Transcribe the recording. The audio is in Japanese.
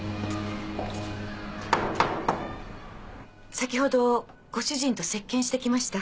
先ほどご主人と接見してきました。